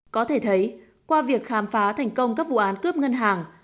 có thể thấy qua việc khám phá thành công các vụ án cướp ngân hàng